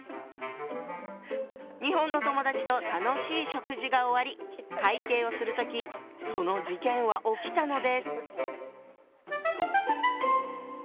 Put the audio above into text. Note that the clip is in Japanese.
日本の友だちと楽しい食事が終わり会計をする時その事件は起きたのです。